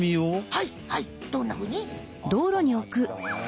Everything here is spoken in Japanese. はいはいどんなふうに？